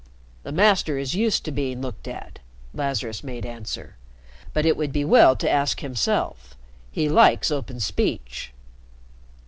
"The Master is used to being looked at," Lazarus made answer. "But it would be well to ask himself. He likes open speech."